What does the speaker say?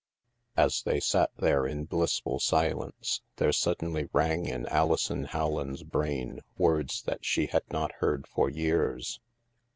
As they sat there in blissful silence, there sud denly rang in Alison Howland's brain words that she had not heard for years.